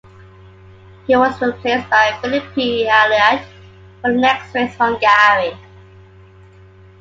He was replaced by Philippe Alliot for the next race in Hungary.